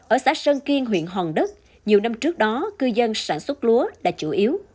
ở xã sơn kiên huyện hòn đất nhiều năm trước đó cư dân sản xuất lúa đã chủ yếu